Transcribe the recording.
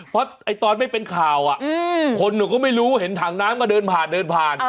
เพราะตอนไม่เป็นข่าวคนหนูก็ไม่รู้เห็นถังน้ำก็เดินผ่านเดินผ่าน